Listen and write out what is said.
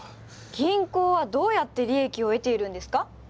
銀行はどうやって利益を得ているんですか？